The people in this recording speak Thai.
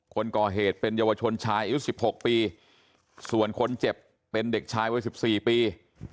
คนก่อเหตุเป็นเยาวชนชายอายุ๑๖ปีส่วนคนเจ็บเป็นเด็กชายวัย๑๔ปี